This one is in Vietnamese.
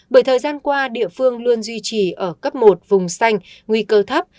bởi thời gian qua địa phương luôn duy trì ở cấp một vùng xanh nguy cơ thấp